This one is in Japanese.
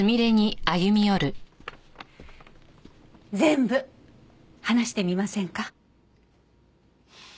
全部話してみませんか？